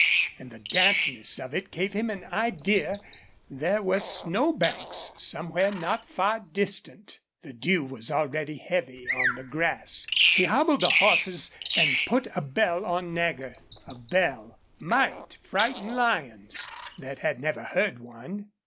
And the dampness of it gave him an idea there were snow banks somewhere not far distant. The dew was already heavy on the grass. He hobbled the horses and put a bell on Nagger. A bell might frighten lions that had never heard one.